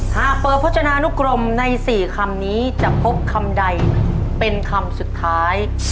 หากเปิดพจนานุกรมใน๔คำนี้จะพบคำใดเป็นคำสุดท้าย